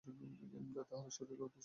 তাহার শরীর অতিশয় দৃঢ় ও বলিষ্ঠ ছিল।